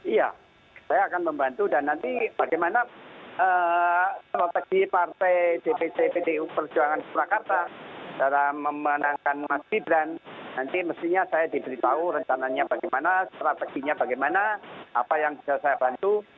iya saya akan membantu dan nanti bagaimana strategi partai dpc pdi perjuangan surakarta dalam memenangkan mas gibran nanti mestinya saya diberitahu rencananya bagaimana strateginya bagaimana apa yang bisa saya bantu